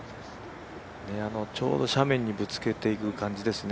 ちょうど斜面にぶつけていく感じですね。